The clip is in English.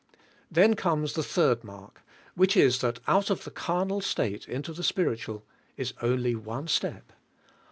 Then comes the third mark, which is that out of the carnal state into the spiritual is only one step.